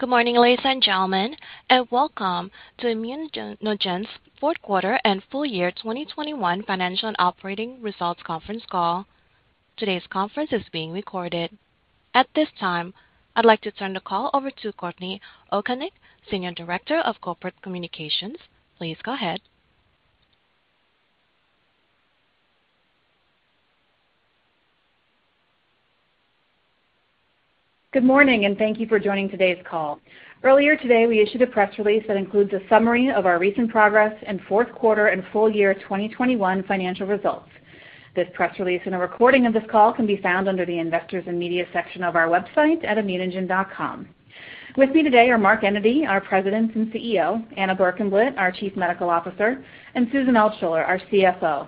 Good morning, ladies and gentlemen, and welcome to ImmunoGen's fourth quarter and full year 2021 financial and operating results conference call. Today's conference is being recorded. At this time, I'd like to turn the call over to Courtney O'Konek, Senior Director of Corporate Communications. Please go ahead. Good morning, and thank you for joining today's call. Earlier today, we issued a press release that includes a summary of our recent progress and fourth quarter and full year 2021 financial results. This press release and a recording of this call can be found under the Investors and Media section of our website at immunogen.com. With me today are Mark Enyedy, our President and CEO, Anna Berkenblit, our Chief Medical Officer, and Susan Altschuller, our CFO.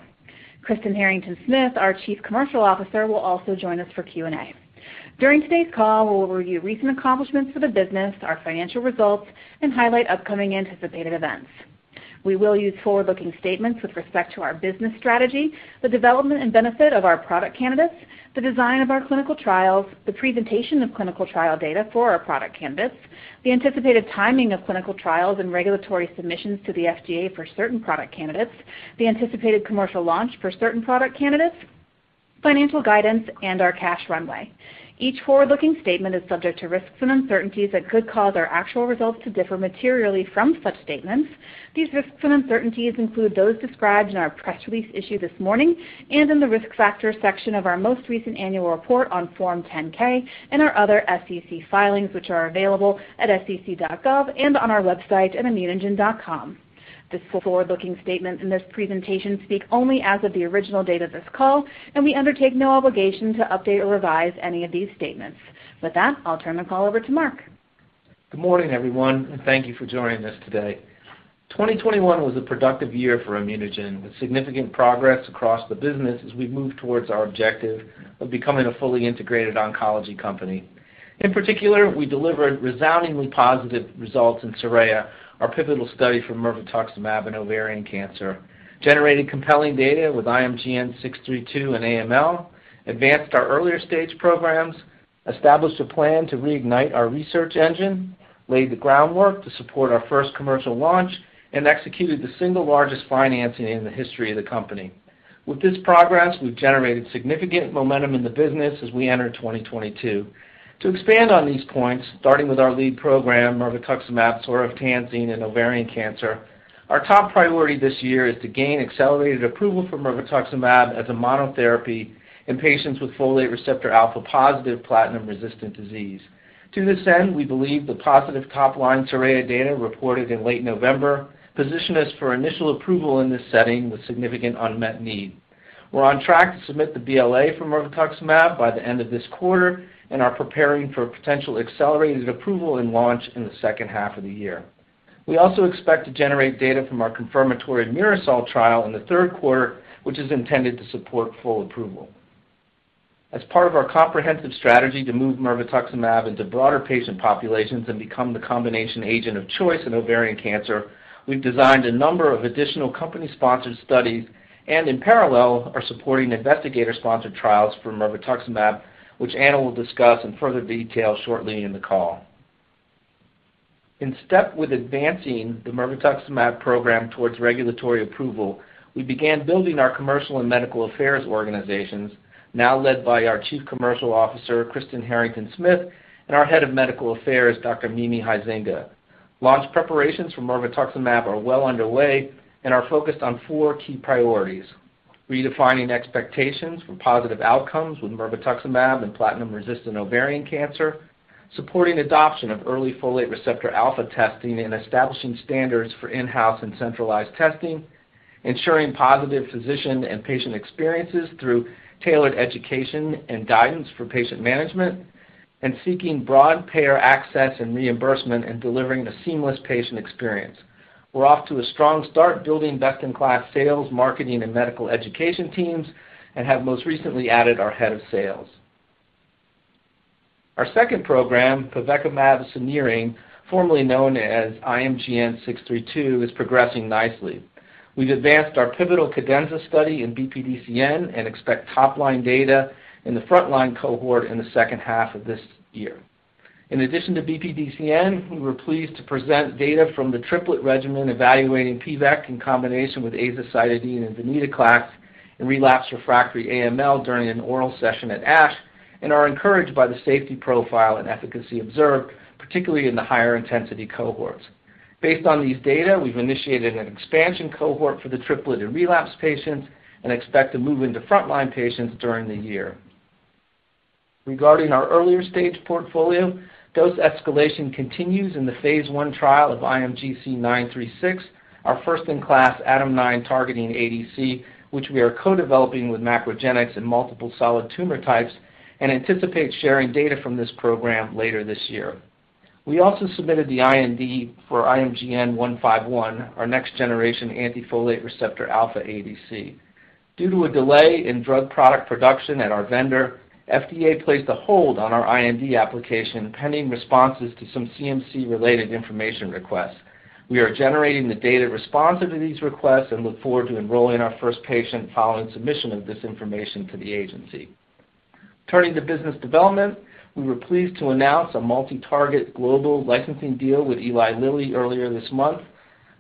Kristen Harrington-Smith, our Chief Commercial Officer, will also join us for Q&A. During today's call, we'll review recent accomplishments for the business, our financial results, and highlight upcoming anticipated events. We will use forward-looking statements with respect to our business strategy, the development and benefit of our product candidates, the design of our clinical trials, the presentation of clinical trial data for our product candidates, the anticipated timing of clinical trials and regulatory submissions to the FDA for certain product candidates, the anticipated commercial launch for certain product candidates, financial guidance, and our cash runway. Each forward-looking statement is subject to risks and uncertainties that could cause our actual results to differ materially from such statements. These risks and uncertainties include those described in our press release issued this morning and in the Risk Factors section of our most recent annual report on Form 10-K and our other SEC filings, which are available at sec.gov and on our website at immunogen.com. The forward-looking statements in this presentation speak only as of the original date of this call, and we undertake no obligation to update or revise any of these statements. With that, I'll turn the call over to Mark. Good morning, everyone, and thank you for joining us today. 2021 was a productive year for ImmunoGen with significant progress across the business as we move towards our objective of becoming a fully integrated oncology company. In particular, we delivered resoundingly positive results in SORAYA, our pivotal study for mirvetuximab in ovarian cancer, generating compelling data with IMGN632 in AML, advanced our earlier stage programs, established a plan to reignite our research engine, laid the groundwork to support our first commercial launch, and executed the single largest financing in the history of the company. With this progress, we've generated significant momentum in the business as we enter 2022. To expand on these points, starting with our lead program, mirvetuximab soravtansine in ovarian cancer, our top priority this year is to gain accelerated approval for mirvetuximab as a monotherapy in patients with folate receptor alpha positive platinum-resistant disease. To this end, we believe the positive top-line SORAYA data reported in late November position us for initial approval in this setting with significant unmet need. We're on track to submit the BLA for mirvetuximab by the end of this quarter and are preparing for potential accelerated approval and launch in the second half of the year. We also expect to generate data from our confirmatory MIRASOL trial in the third quarter, which is intended to support full approval. As part of our comprehensive strategy to move mirvetuximab into broader patient populations and become the combination agent of choice in ovarian cancer, we've designed a number of additional company-sponsored studies and in parallel are supporting investigator-sponsored trials for mirvetuximab, which Anna will discuss in further detail shortly in the call. In step with advancing the mirvetuximab program towards regulatory approval, we began building our commercial and medical affairs organizations, now led by our Chief Commercial Officer, Kristen Harrington-Smith, and our Head of Medical Affairs, Dr. Mimi Huizinga. Launch preparations for mirvetuximab are well underway and are focused on four key priorities, redefining expectations for positive outcomes with mirvetuximab in platinum-resistant ovarian cancer, supporting adoption of early folate receptor alpha testing and establishing standards for in-house and centralized testing, ensuring positive physician and patient experiences through tailored education and guidance for patient management, and seeking broad payer access and reimbursement in delivering a seamless patient experience. We're off to a strong start building best-in-class sales, marketing, and medical education teams and have most recently added our Head of Sales. Our second program, pivekimab sunirine, formerly known as IMGN632, is progressing nicely. We've advanced our pivotal CADENZA study in BPDCN and expect top-line data in the front-line cohort in the second half of this year. In addition to BPDCN, we were pleased to present data from the triplet regimen evaluating pivekimab sunirine in combination with azacitidine and venetoclax in relapsed refractory AML during an oral session at ASH and are encouraged by the safety profile and efficacy observed, particularly in the higher intensity cohorts. Based on these data, we've initiated an expansion cohort for the triplet in relapsed patients and expect to move into front-line patients during the year. Regarding our earlier stage portfolio, dose escalation continues in the phase I trial of IMGC936, our first-in-class ADAM9 targeting ADC, which we are co-developing with MacroGenics in multiple solid tumor types and anticipate sharing data from this program later this year. We also submitted the IND for IMGN151, our next generation anti-folate receptor alpha ADC. Due to a delay in drug product production at our vendor, FDA placed a hold on our IND application pending responses to some CMC-related information requests. We are generating the data responsive to these requests and look forward to enrolling our first patient following submission of this information to the agency. Turning to business development, we were pleased to announce a multi-target global licensing deal with Eli Lilly earlier this month.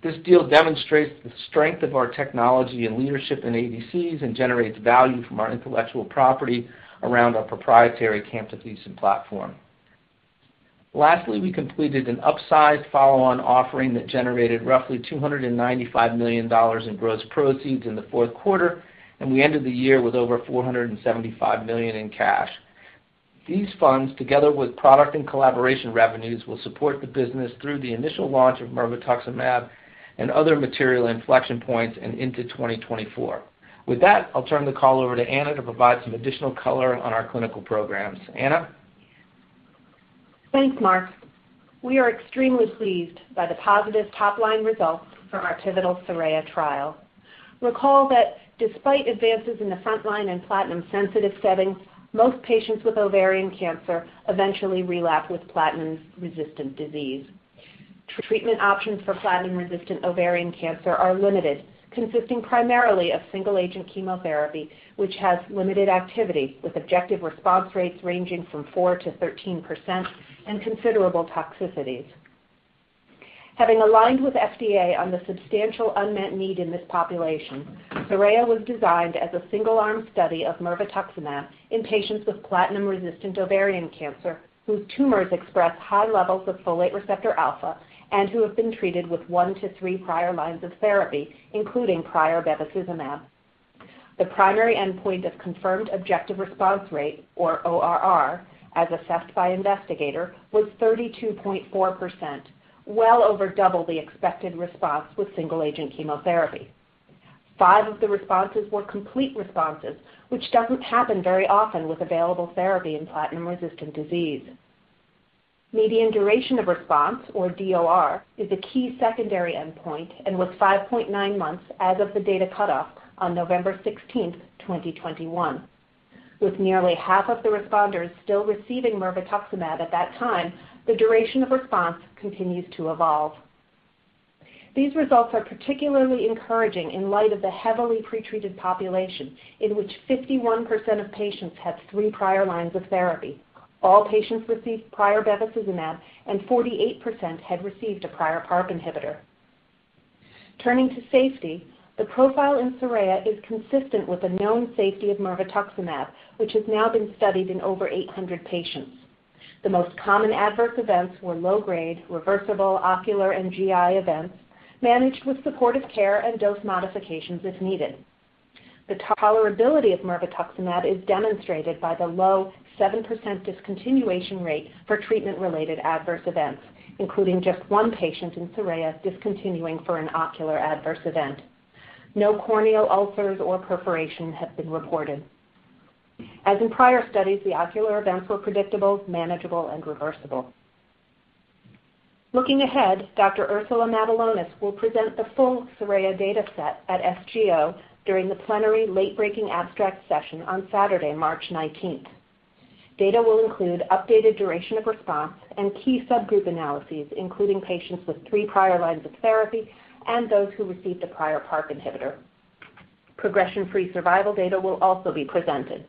This deal demonstrates the strength of our technology and leadership in ADCs and generates value from our intellectual property around our proprietary camptothecin platform. Lastly, we completed an upsized follow-on offering that generated roughly $295 million in gross proceeds in the fourth quarter, and we ended the year with over $475 million in cash. These funds, together with product and collaboration revenues, will support the business through the initial launch of mirvetuximab and other material inflection points and into 2024. With that, I'll turn the call over to Anna to provide some additional color on our clinical programs. Anna? Thanks, Mark. We are extremely pleased by the positive top-line results from our pivotal SORAYA trial. Recall that despite advances in the front line in platinum sensitive settings, most patients with ovarian cancer eventually relapse with platinum-resistant disease. Treatment options for platinum-resistant ovarian cancer are limited, consisting primarily of single-agent chemotherapy, which has limited activity, with objective response rates ranging from 4%-13% and considerable toxicities. Having aligned with FDA on the substantial unmet need in this population, SORAYA was designed as a single-arm study of mirvetuximab in patients with platinum-resistant ovarian cancer whose tumors express high levels of folate receptor alpha and who have been treated with 1-3 prior lines of therapy, including prior bevacizumab. The primary endpoint of confirmed objective response rate, or ORR, as assessed by investigator, was 32.4%, well over double the expected response with single-agent chemotherapy. Five of the responses were complete responses, which doesn't happen very often with available therapy in platinum-resistant disease. Median duration of response, or DOR, is a key secondary endpoint and was 5.9 months as of the data cutoff on November 16, 2021. With nearly half of the responders still receiving mirvetuximab at that time, the duration of response continues to evolve. These results are particularly encouraging in light of the heavily pretreated population in which 51% of patients had three prior lines of therapy. All patients received prior bevacizumab, and 48% had received a prior PARP inhibitor. Turning to safety, the profile in SORAYA is consistent with the known safety of mirvetuximab, which has now been studied in over 800 patients. The most common adverse events were low-grade, reversible, ocular, and GI events managed with supportive care and dose modifications if needed. The tolerability of mirvetuximab is demonstrated by the low 7% discontinuation rate for treatment-related adverse events, including just one patient in SORAYA discontinuing for an ocular adverse event. No corneal ulcers or perforation have been reported. As in prior studies, the ocular events were predictable, manageable, and reversible. Looking ahead, Dr. Ursula Matulonis will present the full SORAYA data set at SGO during the plenary late-breaking abstract session on Saturday, March nineteenth. Data will include updated duration of response and key subgroup analyses, including patients with three prior lines of therapy and those who received a prior PARP inhibitor. Progression-free survival data will also be presented.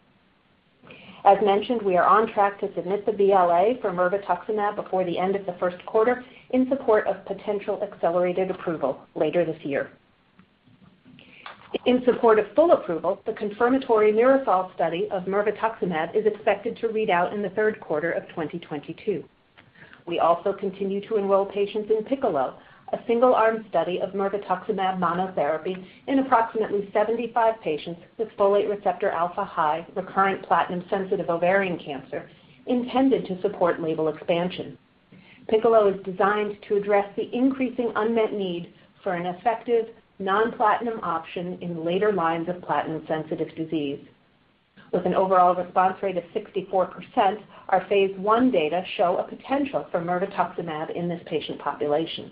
As mentioned, we are on track to submit the BLA for mirvetuximab before the end of the first quarter in support of potential accelerated approval later this year. In support of full approval, the confirmatory MIRASOL study of mirvetuximab is expected to read out in the third quarter of 2022. We also continue to enroll patients in PICCOLO, a single-arm study of mirvetuximab monotherapy in approximately 75 patients with folate receptor alpha high recurrent platinum sensitive ovarian cancer intended to support label expansion. PICCOLO is designed to address the increasing unmet need for an effective non-platinum option in later lines of platinum-sensitive disease. With an overall response rate of 64%, our phase I data show a potential for mirvetuximab in this patient population.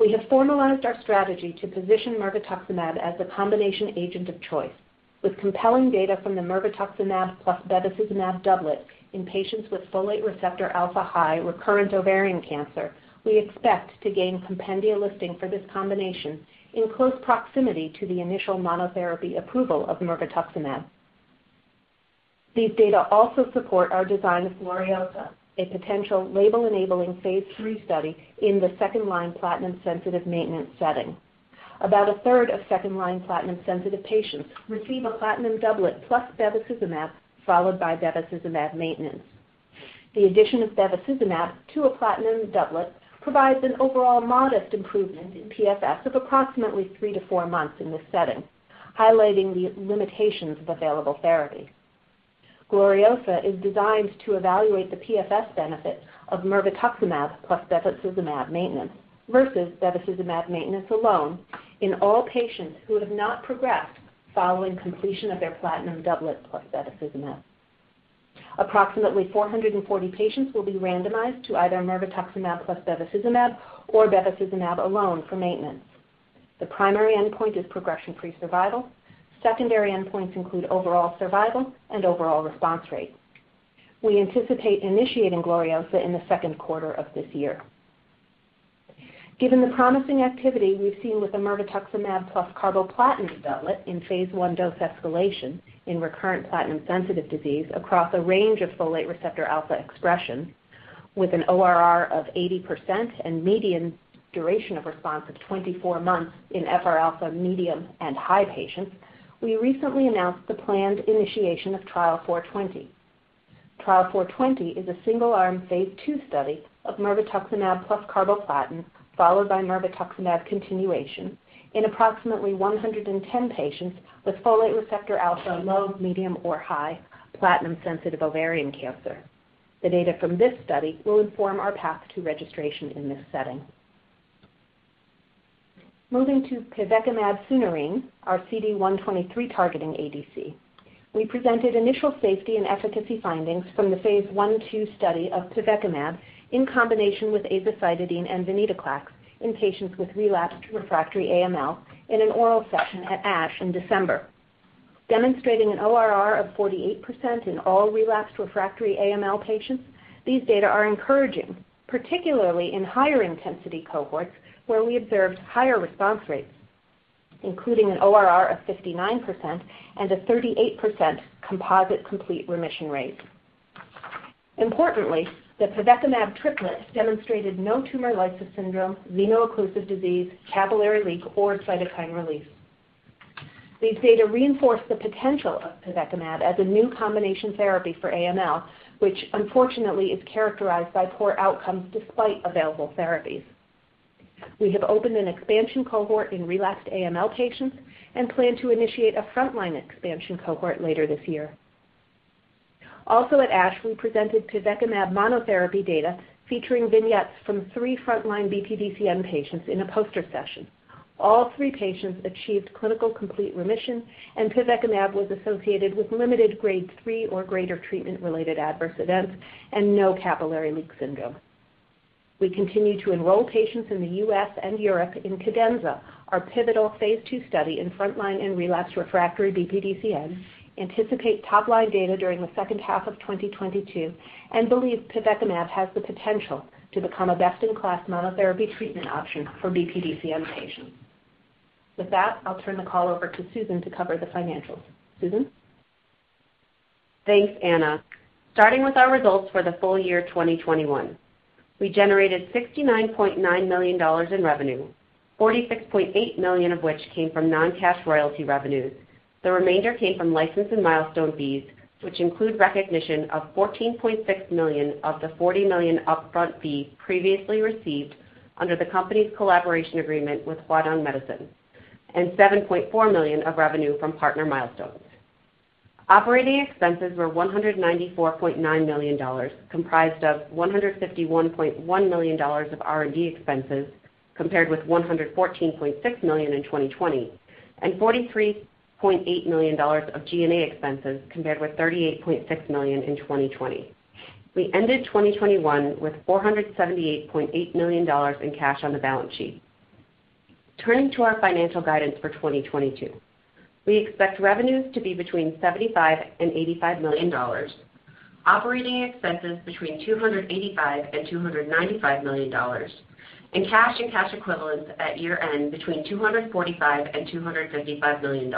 We have formalized our strategy to position mirvetuximab as the combination agent of choice. With compelling data from the mirvetuximab plus bevacizumab doublet in patients with folate receptor alpha high recurrent ovarian cancer, we expect to gain compendia listing for this combination in close proximity to the initial monotherapy approval of mirvetuximab. These data also support our design of GLORIOSA, a potential label-enabling phase III study in the second-line platinum-sensitive maintenance setting. About a third of second-line platinum-sensitive patients receive a platinum doublet plus bevacizumab followed by bevacizumab maintenance. The addition of bevacizumab to a platinum doublet provides an overall modest improvement in PFS of approximately 3-4 months in this setting, highlighting the limitations of available therapy. GLORIOSA is designed to evaluate the PFS benefit of mirvetuximab plus bevacizumab maintenance versus bevacizumab maintenance alone in all patients who have not progressed following completion of their platinum doublet plus bevacizumab. Approximately 440 patients will be randomized to either mirvetuximab plus bevacizumab or bevacizumab alone for maintenance. The primary endpoint is progression-free survival. Secondary endpoints include overall survival and overall response rate. We anticipate initiating GLORIOSA in the second quarter of this year. Given the promising activity we've seen with the mirvetuximab plus carboplatin doublet in phase I dose escalation in recurrent platinum sensitive disease across a range of folate receptor alpha expression with an ORR of 80% and median duration of response of 24 months in FR alpha medium and high patients, we recently announced the planned initiation of Trial 0420. Trial 0420 is a single-arm phase II study of mirvetuximab plus carboplatin, followed by mirvetuximab continuation in approximately 110 patients with folate receptor alpha low, medium, or high platinum sensitive ovarian cancer. The data from this study will inform our path to registration in this setting. Moving to pivekimab sunirine, our CD123-targeting ADC. We presented initial safety and efficacy findings from the phase I/II study of pivekimab sunirine in combination with azacitidine and venetoclax in patients with relapsed refractory AML in an oral session at ASH in December. Demonstrating an ORR of 48% in all relapsed refractory AML patients, these data are encouraging, particularly in higher intensity cohorts where we observed higher response rates, including an ORR of 59% and a 38% composite complete remission rate. Importantly, the pivekimab sunirine triplet demonstrated no tumor lysis syndrome, veno-occlusive disease, capillary leak or cytokine release. These data reinforce the potential of pivekimab sunirine as a new combination therapy for AML, which unfortunately is characterized by poor outcomes despite available therapies. We have opened an expansion cohort in relapsed AML patients and plan to initiate a frontline expansion cohort later this year. At ASH, we presented pivekimab sunirine monotherapy data featuring vignettes from 3 frontline BPDCN patients in a poster session. All 3 patients achieved clinical complete remission, and pivekimab sunirine was associated with limited grade 3 or greater treatment-related adverse events and no capillary leak syndrome. We continue to enroll patients in the U.S. and Europe in CADENZA, our pivotal phase II study in frontline and relapsed refractory BPDCN, anticipate top-line data during the second half of 2022, and believe pivekimab sunirine has the potential to become a best-in-class monotherapy treatment option for BPDCN patients. With that, I'll turn the call over to Susan to cover the financials. Susan? Thanks, Anna. Starting with our results for the full year 2021. We generated $69.9 million in revenue, $46.8 million of which came from non-cash royalty revenues. The remainder came from license and milestone fees, which include recognition of $14.6 million of the $40 million upfront fee previously received under the company's collaboration agreement with Huadong Medicine and $7.4 million of revenue from partner milestones. Operating expenses were $194.9 million, comprised of $151.1 million of R&D expenses compared with $114.6 million in 2020, and $43.8 million of G&A expenses compared with $38.6 million in 2020. We ended 2021 with $478.8 million in cash on the balance sheet. Turning to our financial guidance for 2022. We expect revenues to be between $75 million-$85 million, operating expenses between $285 million-$295 million, and cash and cash equivalents at year-end between $245 million-$255 million.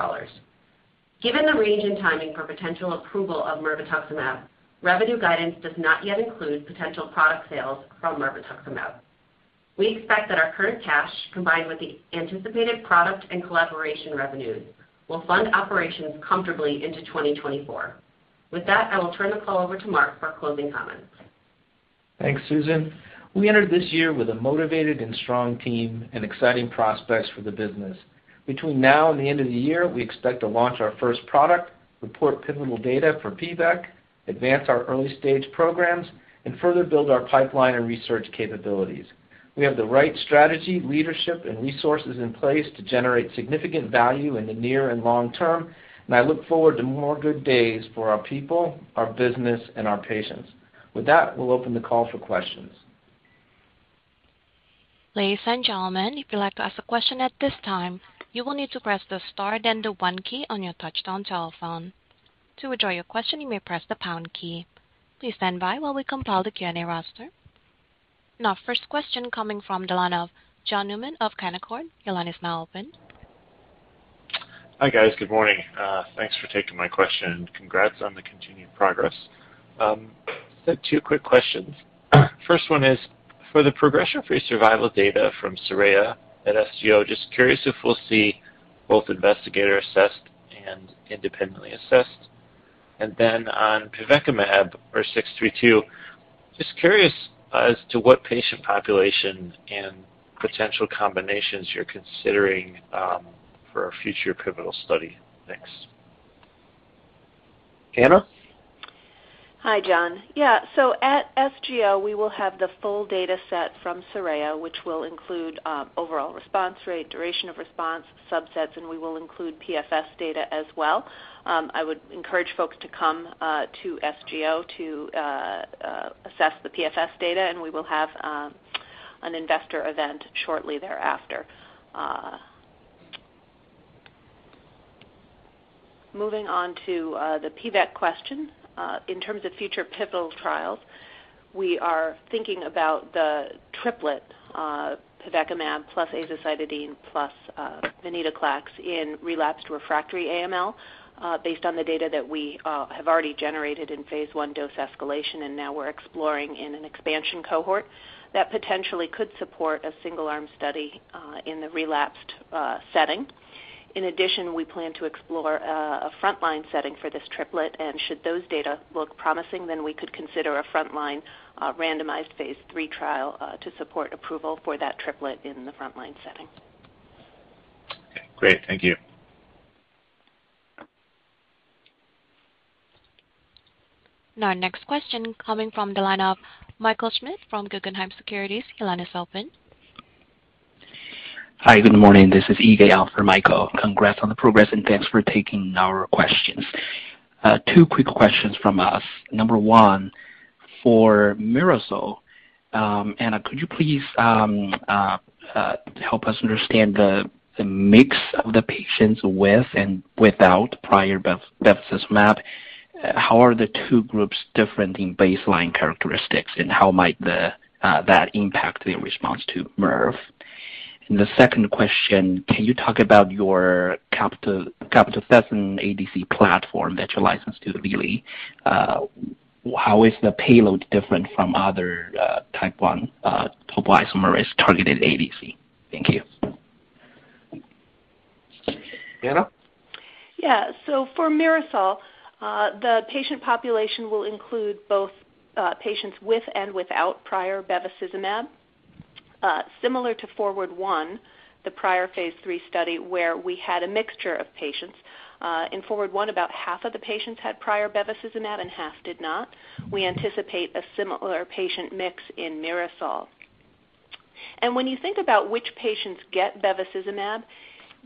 Given the range and timing for potential approval of mirvetuximab, revenue guidance does not yet include potential product sales from mirvetuximab. We expect that our current cash, combined with the anticipated product and collaboration revenues, will fund operations comfortably into 2024. With that, I will turn the call over to Mark for closing comments. Thanks, Susan. We entered this year with a motivated and strong team and exciting prospects for the business. Between now and the end of the year, we expect to launch our first product, report pivotal data for pivekimab sunirine, advance our early-stage programs and further build our pipeline and research capabilities. We have the right strategy, leadership and resources in place to generate significant value in the near and long term, and I look forward to more good days for our people, our business, and our patients. With that, we'll open the call for questions. Ladies and gentlemen, if you'd like to ask a question at this time, you will need to press the star then the one key on your touchtone telephone. To withdraw your question, you may press the pound key. Please stand by while we compile the Q&A roster. Now, first question coming from the line of John Newman of Canaccord. Your line is now open. Hi, guys. Good morning. Thanks for taking my question. Congrats on the continued progress. Two quick questions. First one is for the progression-free survival data from SORAYA at SGO, just curious if we'll see both investigator assessed and independently assessed? On pivekimab sunirine or IMGN632, just curious as to what patient population and potential combinations you're considering for a future pivotal study? Thanks. Anna? Hi, John. Yeah, at SGO, we will have the full data set from SORAYA, which will include overall response rate, duration of response subsets, and we will include PFS data as well. I would encourage folks to come to SGO to assess the PFS data, and we will have an investor event shortly thereafter. Moving on to the pivekimab question. In terms of future pivotal trials, we are thinking about the triplet, pivekimab plus azacitidine plus venetoclax in relapsed refractory AML, based on the data that we have already generated in phase I dose escalation, and now we're exploring in an expansion cohort that potentially could support a single-arm study in the relapsed setting. In addition, we plan to explore a frontline setting for this triplet, and should those data look promising, then we could consider a frontline randomized phase III trial to support approval for that triplet in the frontline setting. Okay, great. Thank you. Now next question coming from the line of Michael Schmidt from Guggenheim Securities. Your line is open. Hi, good morning. This is Yige for Michael. Congrats on the progress and thanks for taking our questions. Two quick questions from us. Number one, for MIRASOL, Anna, could you please help us understand the mix of the patients with and without prior bevacizumab? How are the two groups different in baseline characteristics, and how might that impact their response to Mirv? The second question, can you talk about your camptothecin ADC platform that you licensed to Lilly? How is the payload different from other type one topoisomerase-targeted ADC? Thank you. Anna? For MIRASOL, the patient population will include both patients with and without prior bevacizumab, similar to FORWARD I, the prior phase III study where we had a mixture of patients. In FORWARD I, about half of the patients had prior bevacizumab and half did not. We anticipate a similar patient mix in MIRASOL. When you think about which patients get bevacizumab,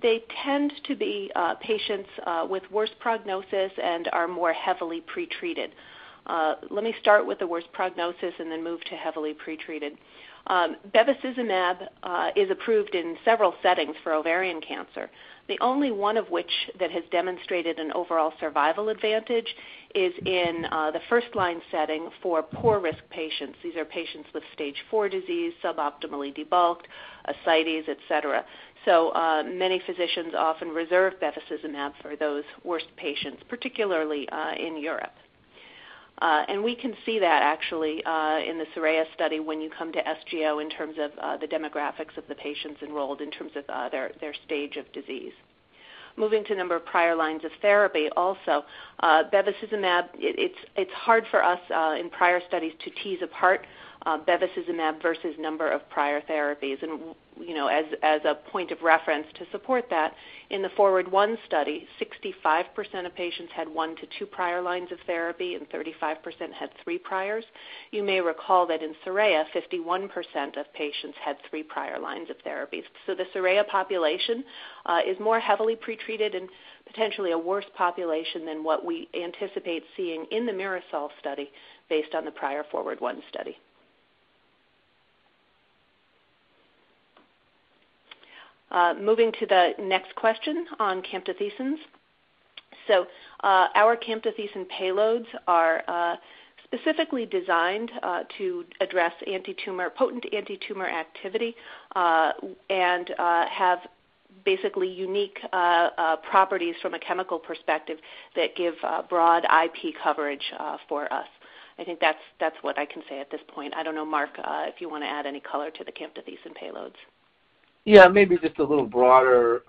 they tend to be patients with worse prognosis and are more heavily pretreated. Let me start with the worst prognosis and then move to heavily pretreated. Bevacizumab is approved in several settings for ovarian cancer. The only one of which that has demonstrated an overall survival advantage is in the first-line setting for poor risk patients. These are patients with stage IV disease, suboptimally debulked, ascites, et cetera. Many physicians often reserve bevacizumab for those worst patients, particularly in Europe. We can see that actually in the SORAYA study when you come to SGO in terms of the demographics of the patients enrolled in terms of their stage of disease. Moving to number of prior lines of therapy also, bevacizumab, it's hard for us in prior studies to tease apart bevacizumab versus number of prior therapies. You know, as a point of reference to support that, in the FORWARD I study, 65% of patients had 1-2 prior lines of therapy and 35% had 3 priors. You may recall that in SORAYA, 51% of patients had 3 prior lines of therapy. The SORAYA population is more heavily pretreated and potentially a worse population than what we anticipate seeing in the MIRASOL study based on the prior FORWARD I study. Moving to the next question on camptothecins. Our camptothecin payloads are specifically designed to address potent antitumor activity and have basically unique properties from a chemical perspective that give broad IP coverage for us. I think that's what I can say at this point. I don't know, Mark, if you wanna add any color to the camptothecin payloads. Yeah, maybe just a little broader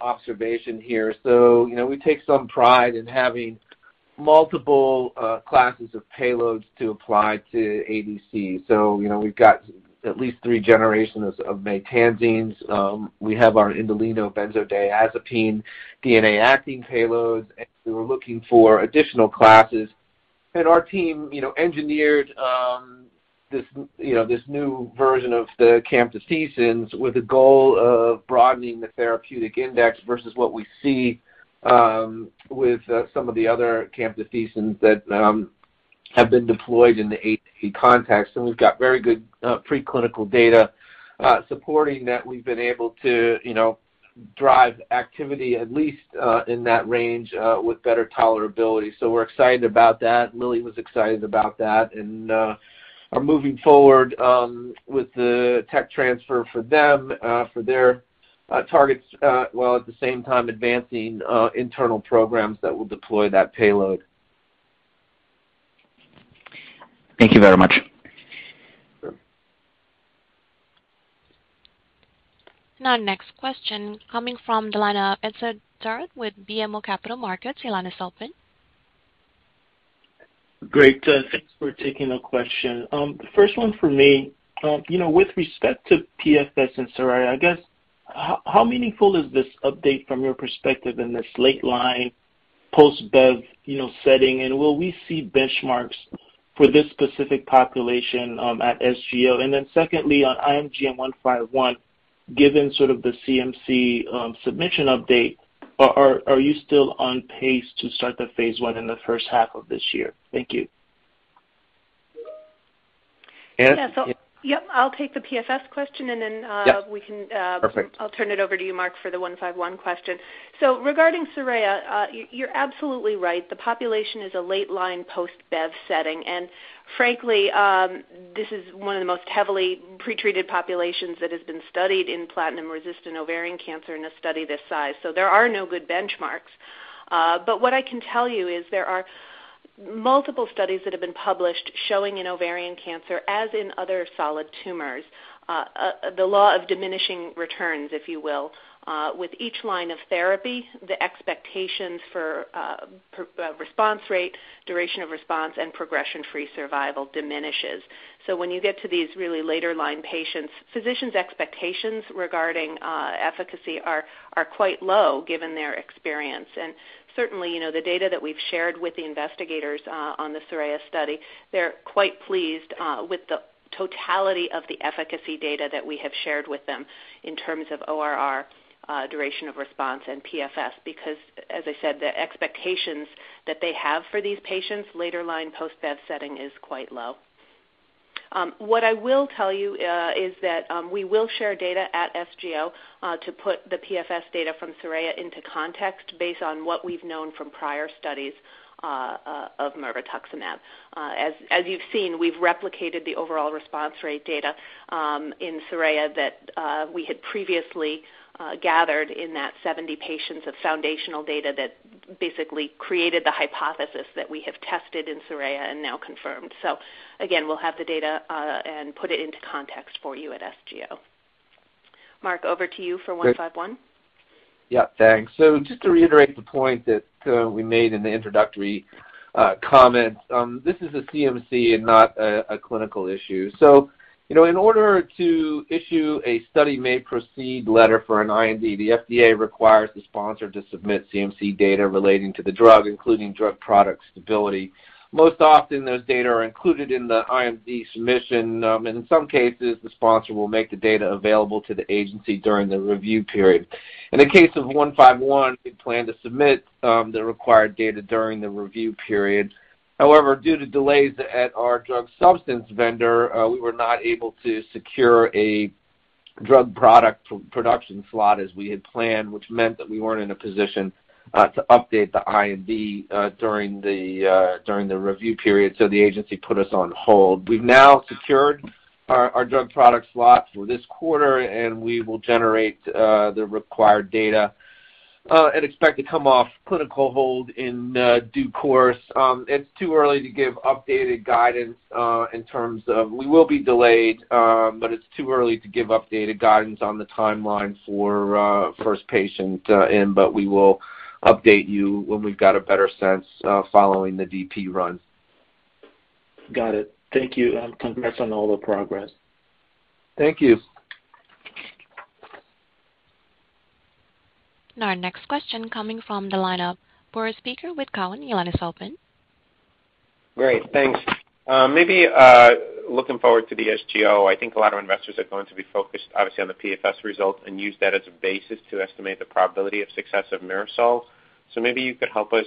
observation here. You know, we take some pride in having multiple classes of payloads to apply to ADC. You know, we've got at least three generations of maytansines. We have our indolinobenzodiazepine DNA acting payloads, and we're looking for additional classes. Our team, you know, engineered this, you know, this new version of the camptothecins with the goal of broadening the therapeutic index versus what we see with some of the other camptothecins that have been deployed in the ADC context. We've got very good preclinical data supporting that we've been able to, you know, drive activity at least in that range with better tolerability. We're excited about that. Lilly was excited about that and are moving forward with the tech transfer for them for their targets while at the same time advancing internal programs that will deploy that payload. Thank you very much. Sure. Now next question coming from the line of Etzer Darout with BMO Capital Markets. Your line is open. Great. Thanks for taking the question. The first one for me, you know, with respect to PFS in SORAYA, I guess how meaningful is this update from your perspective in this late line post bev, you know, setting? And will we see benchmarks for this specific population at SGO? And then secondly, on IMGN151, given sort of the CMC submission update, are you still on pace to start the phase I in the first half of this year? Thank you. Yes. Yep, I'll take the PFS question, and then. Yes. -we can, uh- Perfect. I'll turn it over to you, Mark, for the IMGN151 question. Regarding SORAYA, you're absolutely right. The population is a late line post Bev setting. Frankly, this is one of the most heavily pretreated populations that has been studied in platinum-resistant ovarian cancer in a study this size. There are no good benchmarks. What I can tell you is there are multiple studies that have been published showing in ovarian cancer, as in other solid tumors, the law of diminishing returns, if you will. With each line of therapy, the expectations for ORR, duration of response and progression-free survival diminishes. When you get to these really later line patients, physicians' expectations regarding efficacy are quite low given their experience. Certainly, you know, the data that we've shared with the investigators on the SORAYA study, they're quite pleased with the totality of the efficacy data that we have shared with them in terms of ORR, duration of response and PFS. Because, as I said, the expectations that they have for these patients later line post Bev setting is quite low. What I will tell you is that we will share data at SGO to put the PFS data from SORAYA into context based on what we've known from prior studies of mirvetuximab. As you've seen, we've replicated the overall response rate data in SORAYA that we had previously gathered in that 70 patients of foundational data that basically created the hypothesis that we have tested in SORAYA and now confirmed. Again, we'll have the data and put it into context for you at SGO. Mark, over to you for 151. Yeah, thanks. Just to reiterate the point that we made in the introductory comments, this is a CMC and not a clinical issue. You know, in order to issue a study may proceed letter for an IND, the FDA requires the sponsor to submit CMC data relating to the drug, including drug product stability. Most often, those data are included in the IND submission. In some cases, the sponsor will make the data available to the agency during the review period. In the case of IMGN151, we plan to submit the required data during the review period. However, due to delays at our drug substance vendor, we were not able to secure a drug product production slot as we had planned, which meant that we weren't in a position to update the IND during the review period. The agency put us on hold. We've now secured our drug product slots for this quarter, and we will generate the required data and expect to come off clinical hold in due course. It's too early to give updated guidance in terms of we will be delayed, but it's too early to give updated guidance on the timeline for first patient in, but we will update you when we've got a better sense following the DP run. Got it. Thank you, and congrats on all the progress. Thank you. Now our next question coming from the lineup. Boris Peaker with Cowen, your line is open. Great, thanks. Maybe, looking forward to the SGO, I think a lot of investors are going to be focused obviously on the PFS results and use that as a basis to estimate the probability of success of MIRASOL. Maybe you could help us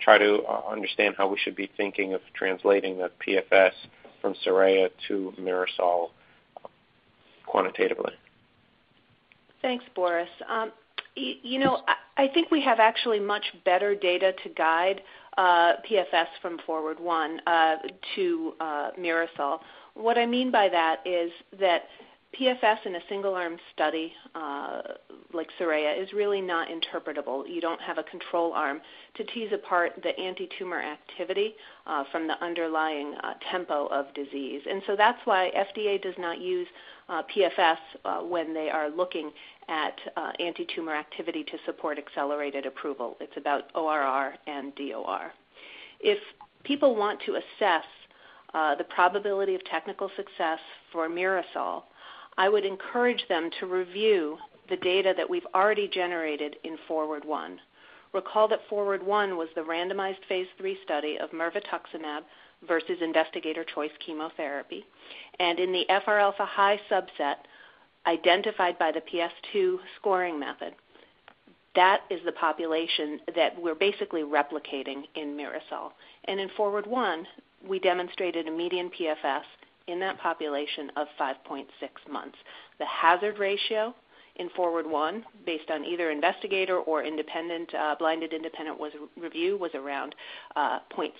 try to understand how we should be thinking of translating the PFS from SORAYA to MIRASOL quantitatively. Thanks, Boris. You know, I think we have actually much better data to guide PFS from FORWARD I to MIRASOL. What I mean by that is that PFS in a single arm study like SORAYA is really not interpretable. You don't have a control arm to tease apart the antitumor activity from the underlying tempo of disease. That's why FDA does not use PFS when they are looking at antitumor activity to support accelerated approval. It's about ORR and DOR. If people want to assess the probability of technical success for MIRASOL, I would encourage them to review the data that we've already generated in FORWARD I. Recall that FORWARD I was the randomized phase III study of mirvetuximab versus investigator choice chemotherapy. In the FR alpha high subset identified by the PS2 scoring method, that is the population that we're basically replicating in MIRASOL. In FORWARD I, we demonstrated a median PFS in that population of 5.6 months. The hazard ratio in FORWARD I, based on either investigator or blinded independent review, was around 0.6.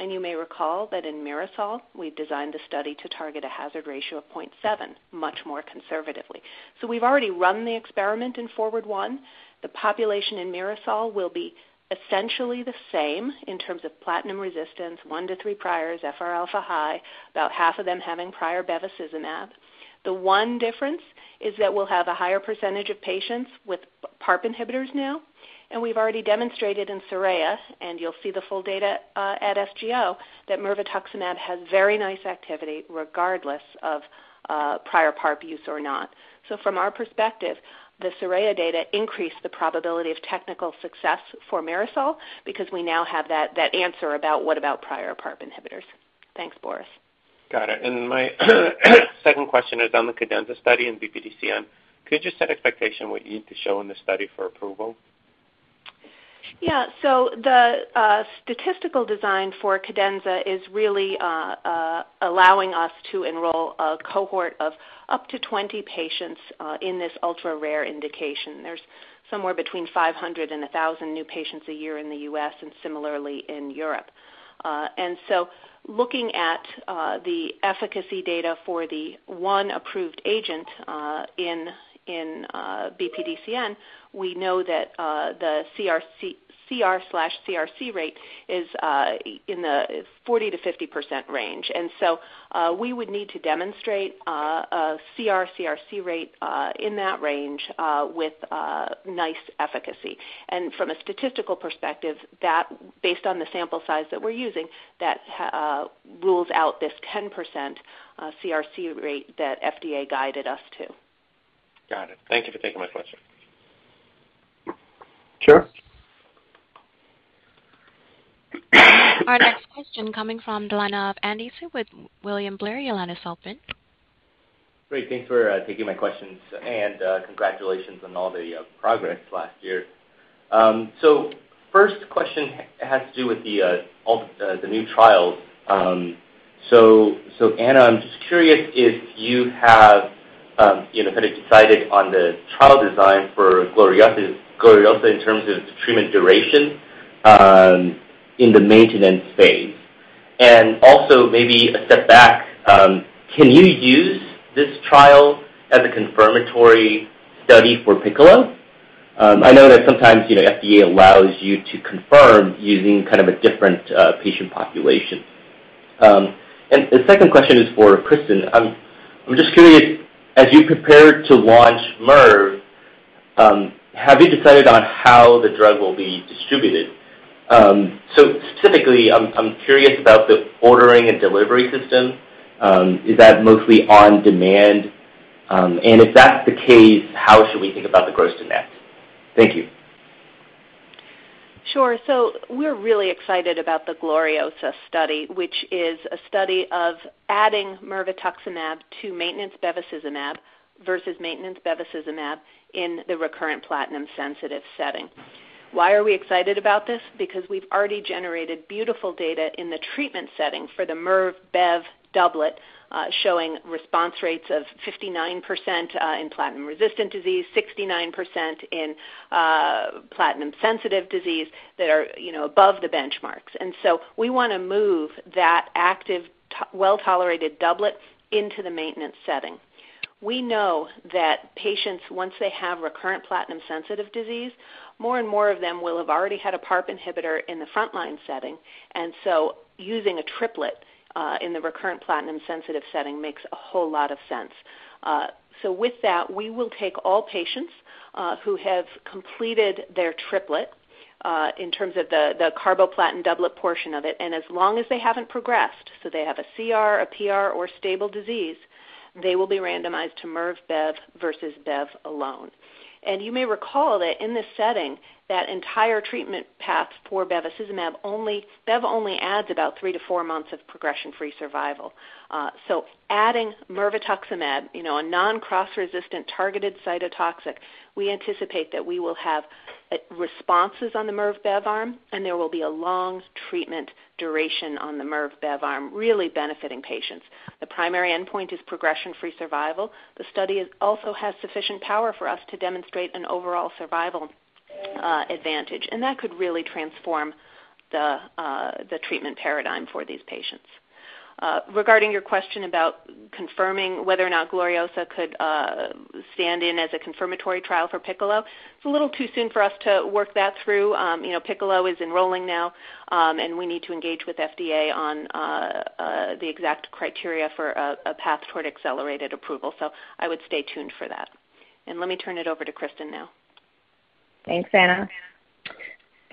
You may recall that in MIRASOL, we designed the study to target a hazard ratio of 0.7, much more conservatively. We've already run the experiment in FORWARD I. The population in MIRASOL will be essentially the same in terms of platinum resistance, 1-3 priors, FR alpha high, about half of them having prior bevacizumab. The one difference is that we'll have a higher percentage of patients with PARP inhibitors now, and we've already demonstrated in SORAYA, and you'll see the full data at SGO, that mirvetuximab has very nice activity regardless of prior PARP use or not. From our perspective, the SORAYA data increased the probability of technical success for MIRASOL because we now have that answer about prior PARP inhibitors. Thanks, Boris. Got it. My second question is on the CADENZA study in BPDCN. Could you set expectation what you need to show in the study for approval? The statistical design for CADENZA is really allowing us to enroll a cohort of up to 20 patients in this ultra-rare indication. There's somewhere between 500 and 1,000 new patients a year in the U.S. and similarly in Europe. Looking at the efficacy data for the one approved agent in BPDCN, we know that the CR/CRi rate is in the 40%-50% range. We would need to demonstrate a CR/CRi rate in that range with nice efficacy. From a statistical perspective, that based on the sample size that we're using, that rules out this 10% CR/CRi rate that FDA guided us to. Got it. Thank you for taking my question. Sure. Our next question coming from the line of Andy Hsieh with William Blair. Your line is open. Great. Thanks for taking my questions, and congratulations on all the progress last year. So first question has to do with all the new trials. So, Anna, I'm just curious if you have, you know, kind of decided on the trial design for GLORIOSA in terms of treatment duration in the maintenance phase. Maybe a step back, can you use this trial as a confirmatory study for PICCOLO? I know that sometimes, you know, FDA allows you to confirm using kind of a different patient population. And the second question is for Kristen. I'm just curious, as you prepare to launch mirv, have you decided on how the drug will be distributed? So specifically, I'm curious about the ordering and delivery system. Is that mostly on demand? If that's the case, how should we think about the gross to net? Thank you. Sure. We're really excited about the GLORIOSA study, which is a study of adding mirvetuximab to maintenance bevacizumab versus maintenance bevacizumab in the recurrent platinum sensitive setting. Why are we excited about this? Because we've already generated beautiful data in the treatment setting for the mirv/bev doublet, showing response rates of 59% in platinum resistant disease, 69% in platinum sensitive disease that are, you know, above the benchmarks. We wanna move that active, well-tolerated doublet into the maintenance setting. We know that patients, once they have recurrent platinum sensitive disease, more and more of them will have already had a PARP inhibitor in the front line setting. Using a triplet in the recurrent platinum sensitive setting makes a whole lot of sense. With that, we will take all patients who have completed their triplet in terms of the carboplatin doublet portion of it, and as long as they haven't progressed, so they have a CR, a PR, or stable disease, they will be randomized to mirv/bev versus bev alone. You may recall that in this setting, that entire treatment path for bevacizumab only, bev only adds about 3-4 months of progression-free survival. Adding mirvetuximab, you know, a non-cross resistant targeted cytotoxic, we anticipate that we will have responses on the mirv/bev arm, and there will be a long treatment duration on the mirv/bev arm, really benefiting patients. The primary endpoint is progression-free survival. The study also has sufficient power for us to demonstrate an overall survival advantage, and that could really transform the treatment paradigm for these patients. Regarding your question about confirming whether or not GLORIOSA could stand in as a confirmatory trial for PICCOLO, it's a little too soon for us to work that through. You know, PICCOLO is enrolling now, and we need to engage with FDA on the exact criteria for a path toward accelerated approval. I would stay tuned for that. Let me turn it over to Kristen now. Thanks, Anna.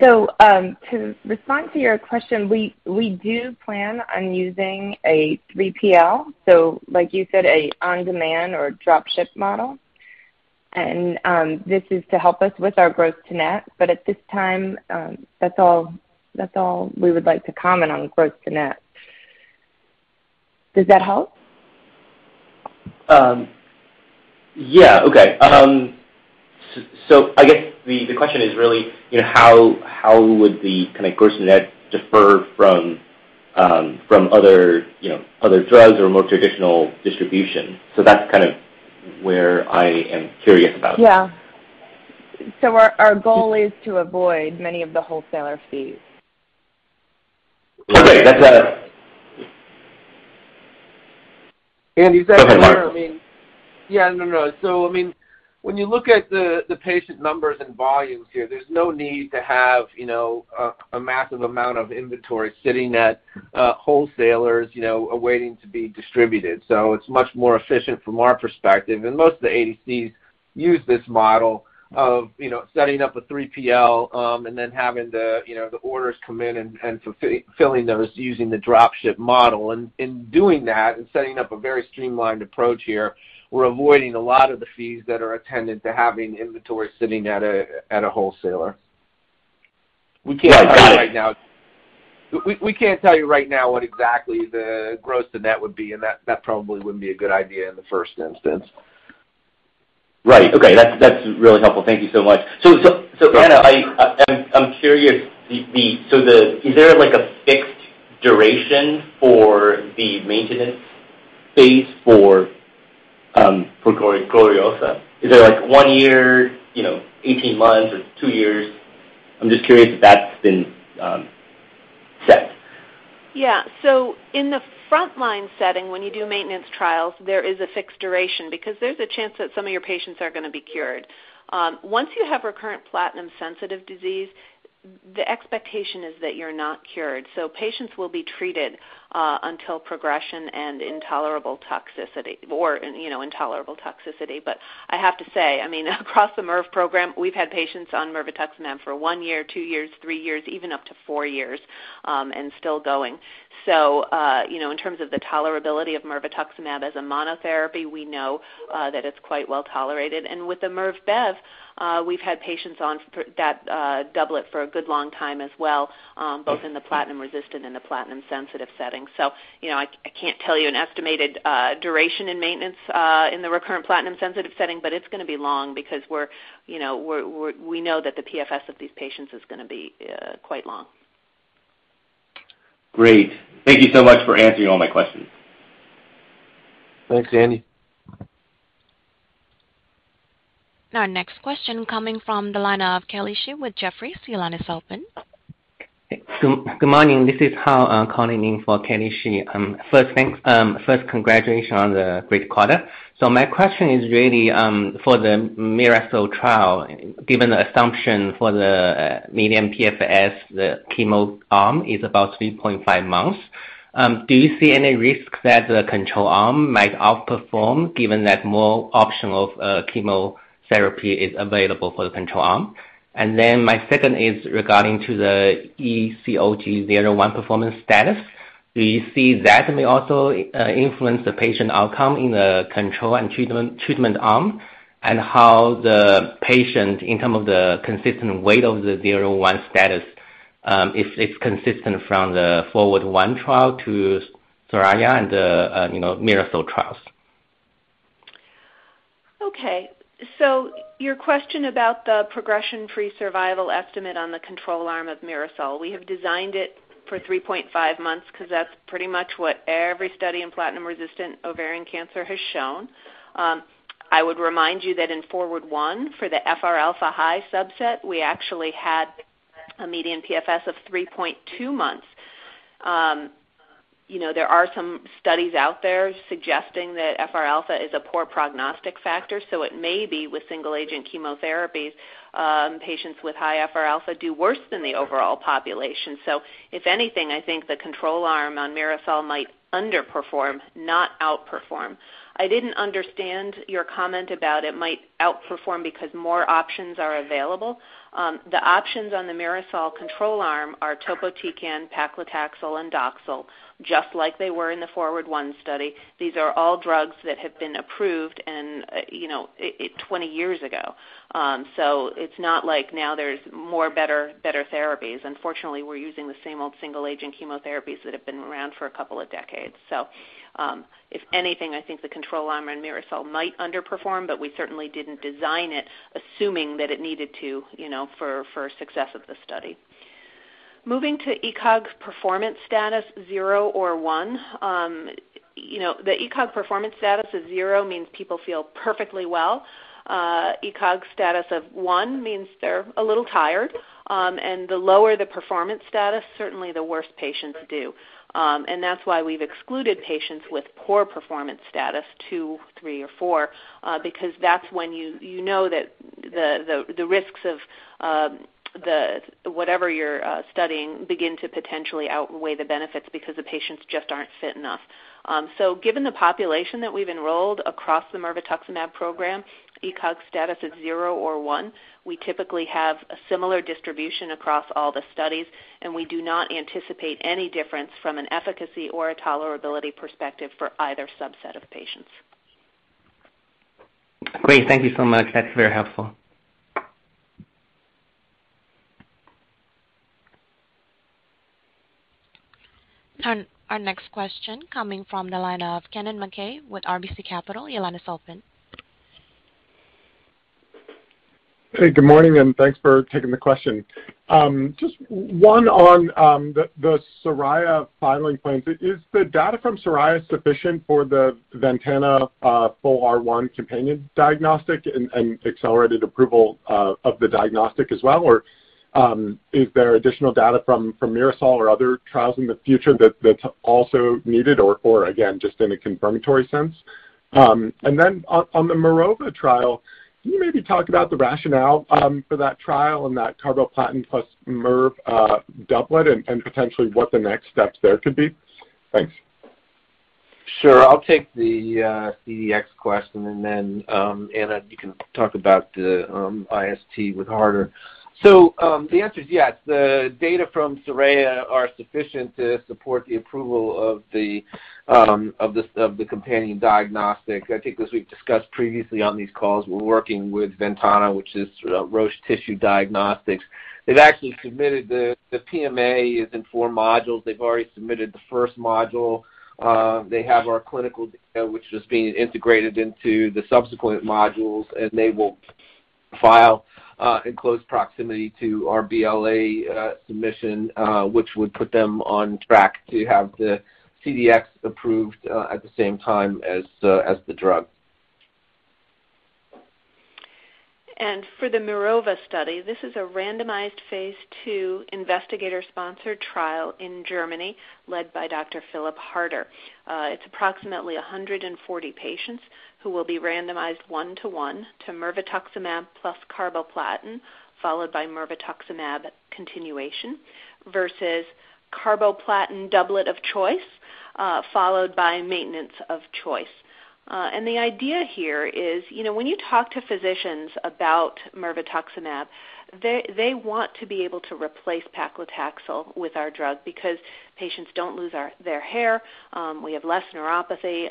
To respond to your question, we do plan on using a 3PL, so like you said, an on-demand or drop ship model. This is to help us with our gross to net. At this time, that's all we would like to comment on gross to net. Does that help? Yeah. Okay. So I guess the question is really, you know, how would the kind of gross to net differ from other, you know, other drugs or more traditional distribution? That's kind of where I am curious about. Our goal is to avoid many of the wholesaler fees. Okay. That's better. Andy, is that fair? I mean. Perfect, Mark. Yeah, no, no. I mean, when you look at the patient numbers and volumes here, there's no need to have, you know, a massive amount of inventory sitting at wholesalers, you know, awaiting to be distributed. It's much more efficient from our perspective. Most of the ADCs use this model of, you know, setting up a 3PL, and then having the, you know, the orders come in and fulfilling those using the drop ship model. In doing that and setting up a very streamlined approach here, we're avoiding a lot of the fees that are attendant to having inventory sitting at a wholesaler. We can't tell you right now. Right. Got it. We can't tell you right now what exactly the gross to net would be, and that probably wouldn't be a good idea in the first instance. Right. Okay. That's really helpful. Thank you so much. Anna, I'm curious. Is there like a fixed duration for the maintenance phase for GLORIOSA? Is it like one year, you know, 18 months or 2 years? I'm just curious if that's been set. Yeah. In the frontline setting, when you do maintenance trials, there is a fixed duration because there's a chance that some of your patients are gonna be cured. Once you have recurrent platinum-sensitive disease, the expectation is that you're not cured. Patients will be treated until progression and intolerable toxicity or, you know, intolerable toxicity. I have to say, I mean, across the MIRV program, we've had patients on mirvetuximab for 1 year, 2 years, 3 years, even up to 4 years, and still going. You know, in terms of the tolerability of mirvetuximab as a monotherapy, we know that it's quite well tolerated. With the MIRV bev, we've had patients on that doublet for a good long time as well, both in the platinum-resistant and the platinum-sensitive setting. You know, I can't tell you an estimated duration and maintenance in the recurrent platinum-sensitive setting, but it's gonna be long because you know, we know that the PFS of these patients is gonna be quite long. Great. Thank you so much for answering all my questions. Thanks, Andy. Our next question coming from the line of Kelly Shi with Jefferies. Your line is open. Good morning. This is Han calling in for Kelly Shi. First, thanks. First, congratulations on the great quarter. My question is really for the MIRASOL trial, given the assumption for the median PFS, the chemo arm is about 3.5 months. Do you see any risk that the control arm might outperform given that more options of chemotherapy are available for the control arm? My second is regarding the ECOG 0-1 performance status. Do you see that may also influence the patient outcome in the control and treatment arm and how the patient in terms of the consistent weight of the 0-1 status is consistent from the FORWARD I trial to SORAYA and the, you know, MIRASOL trials? Okay. Your question about the progression-free survival estimate on the control arm of MIRASOL. We have designed it for 3.5 months because that's pretty much what every study in platinum-resistant ovarian cancer has shown. I would remind you that in FORWARD I, for the FR alpha high subset, we actually had a median PFS of 3.2 months. You know, there are some studies out there suggesting that FR alpha is a poor prognostic factor, so it may be with single agent chemotherapies, patients with high FR alpha do worse than the overall population. If anything, I think the control arm on MIRASOL might underperform, not outperform. I didn't understand your comment about it might outperform because more options are available. The options on the MIRASOL control arm are topotecan, paclitaxel, and Doxil, just like they were in the FORWARD I study. These are all drugs that have been approved and, you know, 20 years ago. It's not like now there's much better therapies. Unfortunately, we're using the same old single agent chemotherapies that have been around for a couple of decades. If anything, I think the control arm in MIRASOL might underperform, but we certainly didn't design it assuming that it needed to, you know, for success of the study. Moving to ECOG performance status 0 or 1. You know, the ECOG performance status is 0 means people feel perfectly well. ECOG status of 1 means they're a little tired. The lower the performance status, the worse patients do. That's why we've excluded patients with poor performance status, 2, 3, or 4, because that's when you know that the risks of whatever you're studying begin to potentially outweigh the benefits because the patients just aren't fit enough. Given the population that we've enrolled across the mirvetuximab program, ECOG status is 0 or 1. We typically have a similar distribution across all the studies, and we do not anticipate any difference from an efficacy or a tolerability perspective for either subset of patients. Great. Thank you so much. That's very helpful. Our next question coming from the line of Kennen MacKay with RBC Capital. Your line is open. Hey, good morning, and thanks for taking the question. Just one on the SORAYA filing plans. Is the data from SORAYA sufficient for the Ventana full FRα companion diagnostic and accelerated approval of the diagnostic as well? Or is there additional data from MIRASOL or other trials in the future that's also needed or again just in a confirmatory sense? And then on the MIROVA trial, can you maybe talk about the rationale for that trial and that carboplatin plus mirvetuximab doublet and potentially what the next steps there could be? Thanks. Sure. I'll take the CDx question, and then, Anna, you can talk about the IST with Harter. The answer is yes. The data from SORAYA are sufficient to support the approval of the companion diagnostic. I think as we've discussed previously on these calls, we're working with Ventana, which is Roche Tissue Diagnostics. They've actually submitted the PMA in four modules. They've already submitted the first module. They have our clinical data, which is being integrated into the subsequent modules, and they will file in close proximity to our BLA submission, which would put them on track to have the CDX approved at the same time as the drug. For the MIROVA study, this is a randomized phase II investigator-sponsored trial in Germany led by Dr. Philipp Harter. It's approximately 140 patients who will be randomized 1:1 to mirvetuximab plus carboplatin, followed by mirvetuximab continuation versus carboplatin doublet of choice, followed by maintenance of choice. The idea here is, you know, when you talk to physicians about mirvetuximab, they want to be able to replace paclitaxel with our drug because patients don't lose their hair, we have less neuropathy.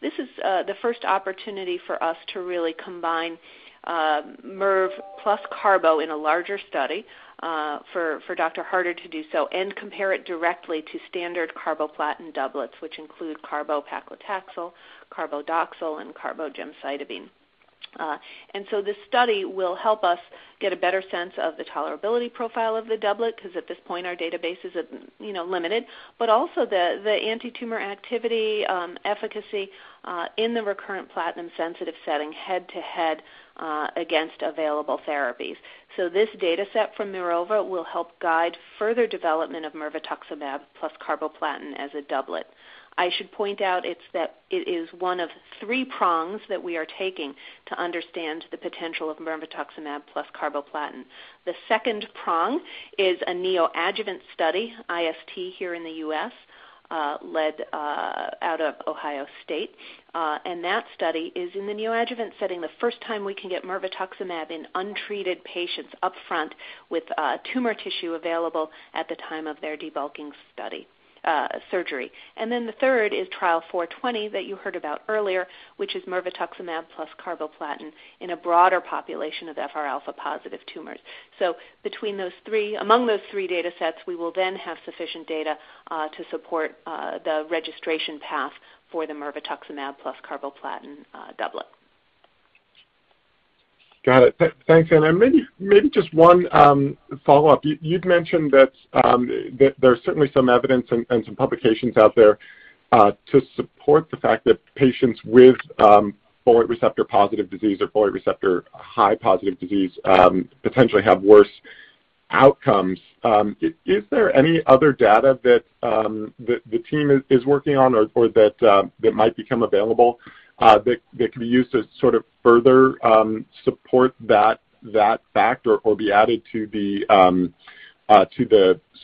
This is the first opportunity for us to really combine mirv plus carbo in a larger study, for Dr. Harter to do so and compare it directly to standard carboplatin doublets, which include carbo-paclitaxel, carbo-Doxil and carbo-gemcitabine. This study will help us get a better sense of the tolerability profile of the doublet because at this point our database is, you know, limited, but also the antitumor activity, efficacy, in the recurrent platinum-sensitive setting head-to-head against available therapies. This data set from MIROVA will help guide further development of mirvetuximab plus carboplatin as a doublet. I should point out it is one of three prongs that we are taking to understand the potential of mirvetuximab plus carboplatin. The second prong is a neoadjuvant study, IST here in the U.S., led out of Ohio State. That study is in the neoadjuvant setting, the first time we can get mirvetuximab in untreated patients up front with tumor tissue available at the time of their debulking surgery. The third is Trial 0420 that you heard about earlier, which is mirvetuximab plus carboplatin in a broader population of FRα-positive tumors. Among those three data sets, we will then have sufficient data to support the registration path for the mirvetuximab plus carboplatin doublet. Got it. Thanks, Anna. Maybe just one follow-up. You'd mentioned that there's certainly some evidence and some publications out there to support the fact that patients with folate receptor positive disease or folate receptor high positive disease potentially have worse outcomes. Is there any other data that the team is working on or that might become available that could be used to sort of further support that fact or be added to the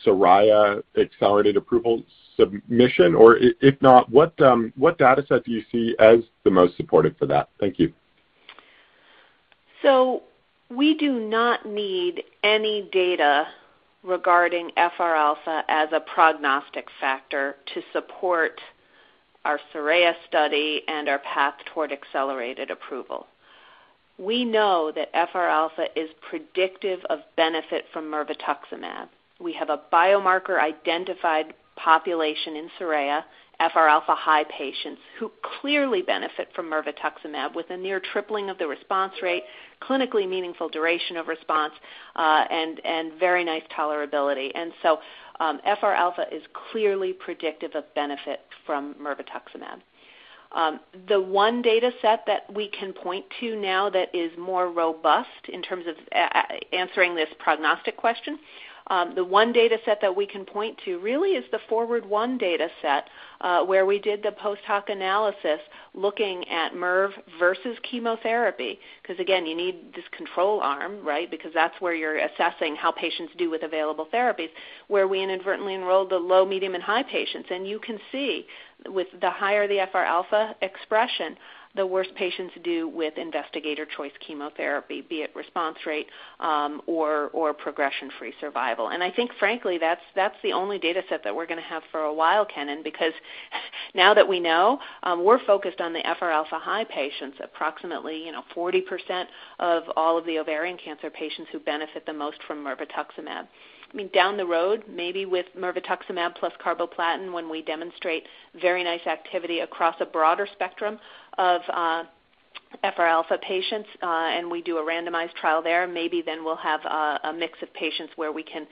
SORAYA accelerated approval submission? Or if not, what data set do you see as the most supportive for that? Thank you. We do not need any data regarding FRα as a prognostic factor to support our SORAYA study and our path toward accelerated approval. We know that FRα is predictive of benefit from mirvetuximab. We have a biomarker-identified population in SORAYA, FRα high patients who clearly benefit from mirvetuximab with a near tripling of the response rate, clinically meaningful duration of response, and very nice tolerability. FRα is clearly predictive of benefit from mirvetuximab. The one data set that we can point to now that is more robust in terms of answering this prognostic question really is the FORWARD I data set, where we did the post hoc analysis looking at mirv versus chemotherapy. 'Cause again, you need this control arm, right? Because that's where you're assessing how patients do with available therapies, where we inadvertently enrolled the low, medium, and high patients. You can see with the higher the FRα expression, the worse patients do with investigator choice chemotherapy, be it response rate, or progression-free survival. I think frankly, that's the only data set that we're gonna have for a while, Kennen, because now that we know, we're focused on the FRα high patients, approximately, you know, 40% of all of the ovarian cancer patients who benefit the most from mirvetuximab. I mean, down the road, maybe with mirvetuximab plus carboplatin, when we demonstrate very nice activity across a broader spectrum of FR alpha patients, and we do a randomized trial there, maybe then we'll have a mix of patients where we can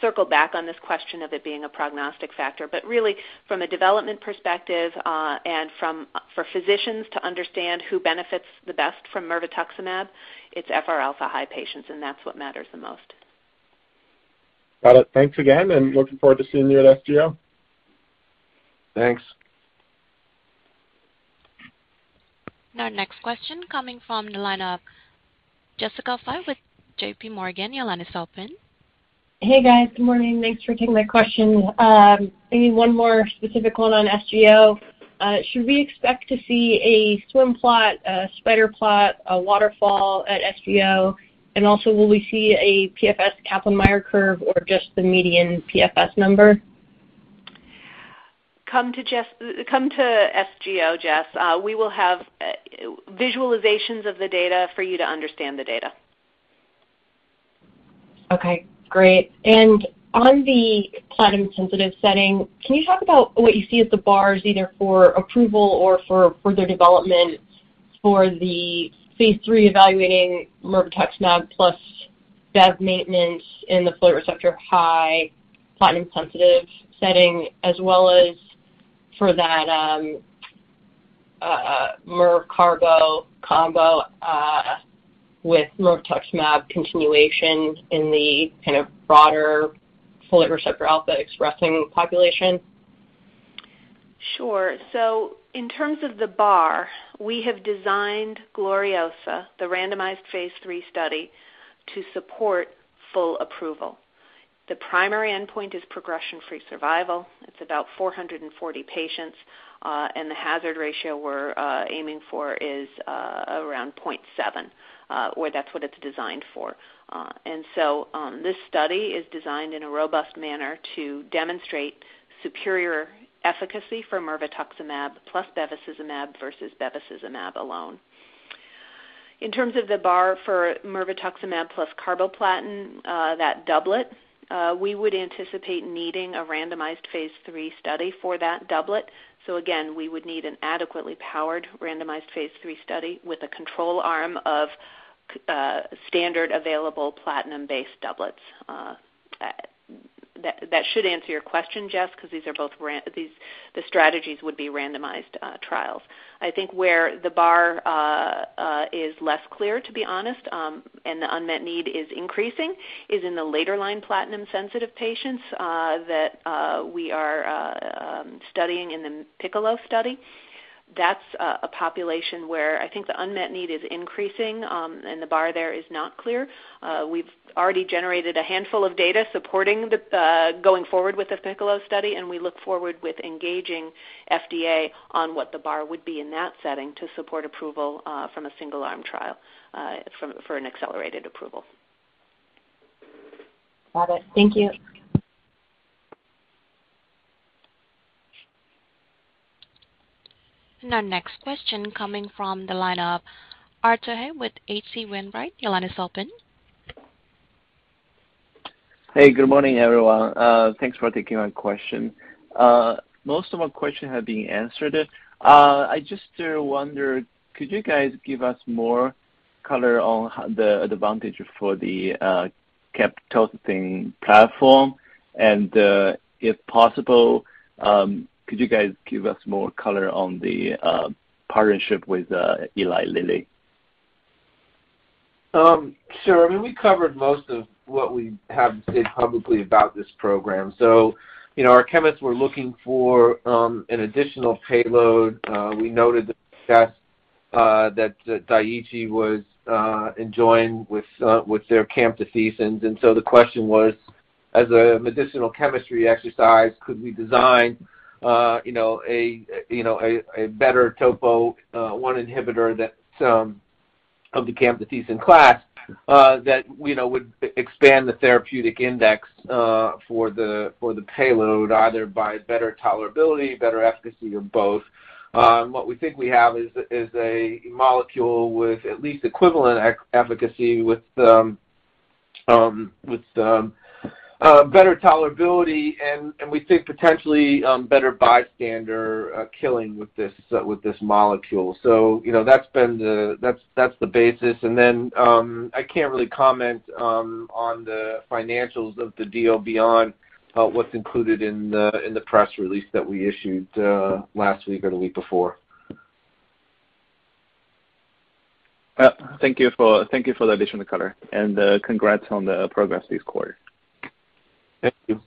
circle back on this question of it being a prognostic factor. But really from a development perspective, and for physicians to understand who benefits the best from mirvetuximab, it's FR alpha high patients, and that's what matters the most. Got it. Thanks again, and looking forward to seeing you at SGO. Thanks. Our next question coming from the line of Jessica Fye with J.P. Morgan. Your line is open. Hey, guys. Good morning. Thanks for taking my question. Maybe one more specific one on SGO. Should we expect to see a swim plot, a spider plot, a waterfall at SGO? And also, will we see a PFS Kaplan-Meier curve or just the median PFS number? Come to SGO, Jess. We will have visualizations of the data for you to understand the data. Okay, great. On the platinum sensitive setting, can you talk about what you see as the bars, either for approval or for further development for the phase III evaluating mirvetuximab plus bev maintenance in the folate receptor high platinum sensitive setting as well as for that, mir-carbo combo, with mirvetuximab continuation in the kind of broader folate receptor alpha expressing population? Sure. In terms of the bar, we have designed GLORIOSA, the randomized phase III study, to support full approval. The primary endpoint is progression-free survival. It's about 440 patients, and the hazard ratio we're aiming for is around 0.7, or that's what it's designed for. This study is designed in a robust manner to demonstrate superior efficacy for mirvetuximab plus bevacizumab versus bevacizumab alone. In terms of the bar for mirvetuximab plus carboplatin, that doublet, we would anticipate needing a randomized phase III study for that doublet. Again, we would need an adequately powered randomized phase III study with a control arm of standard available platinum-based doublets. That should answer your question, Jess, 'cause these are both randomized trials. I think where the bar is less clear, to be honest, and the unmet need is increasing, is in the later-line platinum-sensitive patients that we are studying in the PICCOLO study. That's a population where I think the unmet need is increasing, and the bar there is not clear. We've already generated a handful of data supporting going forward with the PICCOLO study, and we look forward to engaging FDA on what the bar would be in that setting to support approval from a single-arm trial for an accelerated approval. Got it. Thank you. Our next question coming from the line of Arthur He with H.C. Wainwright. Your line is open. Hey, good morning, everyone. Thanks for taking my question. Most of my question have been answered. I just wonder, could you guys give us more color on the advantage for the camptothecin platform? If possible, could you guys give us more color on the partnership with Eli Lilly? Sure. I mean, we covered most of what we have said publicly about this program. You know, our chemists were looking for an additional payload. We noted that Daiichi was enjoying success with their camptothecins. The question was, as a medicinal chemistry exercise, could we design, you know, a better topoisomerase I inhibitor that's of the camptothecin class, that, you know, would expand the therapeutic index for the payload, either by better tolerability, better efficacy or both. What we think we have is a molecule with at least equivalent efficacy with better tolerability and we think potentially better bystander killing with this molecule. You know, that's been the That's the basis, and then I can't really comment on the financials of the deal beyond what's included in the press release that we issued last week or the week before. Thank you for the additional color and congrats on the progress this quarter. Thank you.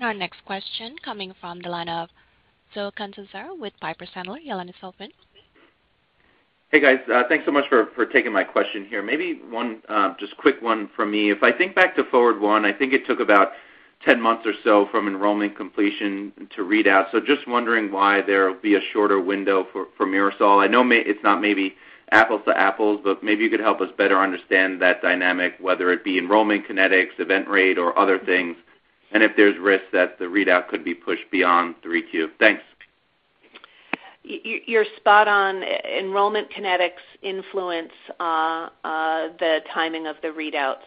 Our next question coming from the line of Joseph Catanzaro with Piper Sandler. Your line is open. Hey, guys. Thanks so much for taking my question here. Maybe one, just quick one from me. If I think back to FORWARD I think it took about 10 months or so from enrollment completion to readout. Just wondering why there will be a shorter window for MIRASOL. I know it's not maybe apples to apples, but maybe you could help us better understand that dynamic, whether it be enrollment kinetics, event rate or other things, and if there's risk that the readout could be pushed beyond 3Q. Thanks. You're spot on. Enrollment kinetics influence the timing of the readout.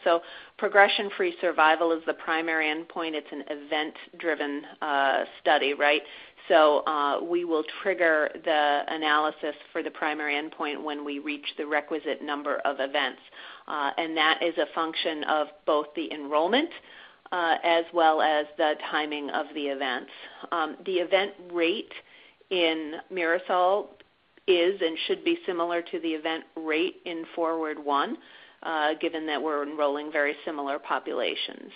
Progression-free survival is the primary endpoint. It's an event-driven study, right? We will trigger the analysis for the primary endpoint when we reach the requisite number of events. And that is a function of both the enrollment as well as the timing of the events. The event rate in MIRASOL is and should be similar to the event rate in FORWARD I, given that we're enrolling very similar populations.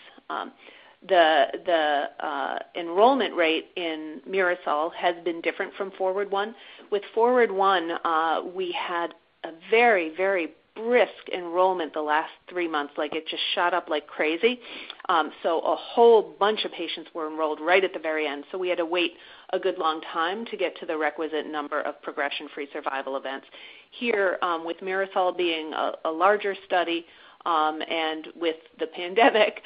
The enrollment rate in MIRASOL has been different from FORWARD I. With FORWARD I, we had a very brisk enrollment the last three months. Like, it just shot up like crazy. A whole bunch of patients were enrolled right at the very end. We had to wait a good long time to get to the requisite number of progression-free survival events. Here, with MIRASOL being a larger study, and with the pandemic,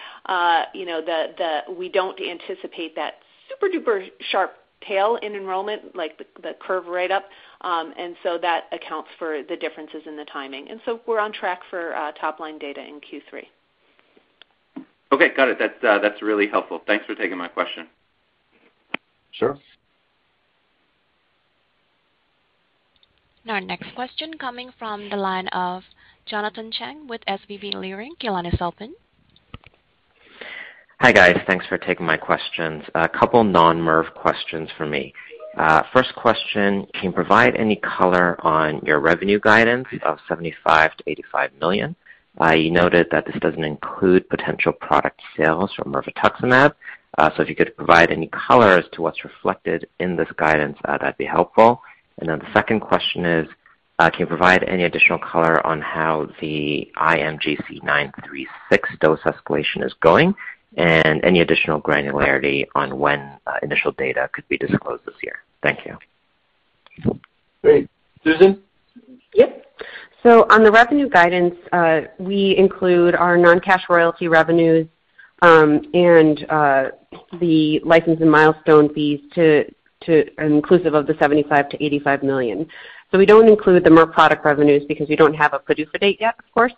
you know, we don't anticipate that super-duper sharp tail in enrollment, like the curve right up. We're on track for top line data in Q3. Okay, got it. That's really helpful. Thanks for taking my question. Sure. Now our next question coming from the line of Jonathan Chang with SVB Leerink. Your line is open. Hi, guys. Thanks for taking my questions. A couple non-MIRV questions for me. First question, can you provide any color on your revenue guidance of $75 million-$85 million? You noted that this doesn't include potential product sales from mirvetuximab. If you could provide any color as to what's reflected in this guidance, that'd be helpful. Then the second question is, can you provide any additional color on how the IMGC936 dose escalation is going and any additional granularity on when initial data could be disclosed this year? Thank you. Great. Susan? Yep. On the revenue guidance, we include our non-cash royalty revenues, and the license and milestone fees inclusive of the $75 million-$85 million. We don't include the MIRV product revenues because we don't have an approval date yet, of course.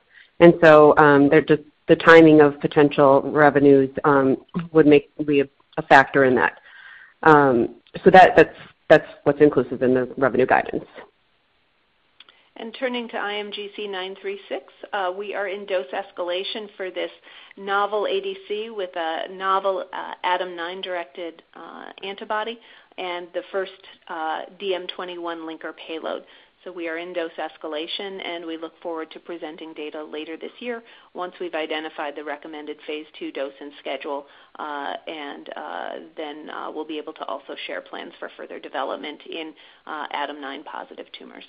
The timing of potential revenues would be a factor in that. That's what's inclusive in the revenue guidance. Turning to IMGC936, we are in dose escalation for this novel ADC with a novel, ADAM9-directed, antibody and the first, DM21 linker payload. We are in dose escalation, and we look forward to presenting data later this year once we've identified the recommended phase II dose and schedule, and then we'll be able to also share plans for further development in, ADAM9-positive tumors.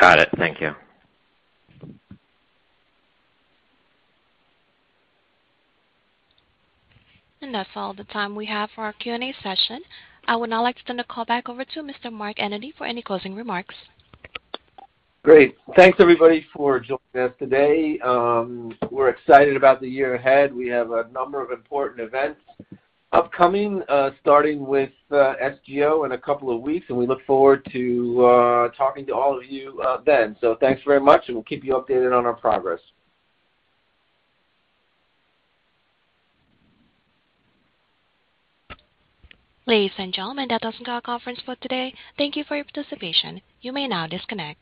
Got it. Thank you. That's all the time we have for our Q&A session. I would now like to turn the call back over to Mr. Mark Enyedy for any closing remarks. Great. Thanks everybody for joining us today. We're excited about the year ahead. We have a number of important events upcoming, starting with SGO in a couple of weeks, and we look forward to talking to all of you then. Thanks very much, and we'll keep you updated on our progress. Ladies and gentlemen, that does end our conference for today. Thank you for your participation. You may now disconnect.